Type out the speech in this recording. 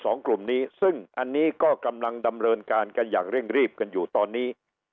สองกลุ่มนี้ซึ่งอันนี้ก็กำลังดำเนินการกันอย่างเร่งรีบกันอยู่ตอนนี้